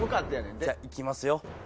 じゃあ行きますよ。